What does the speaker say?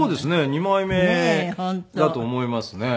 二枚目だと思いますね。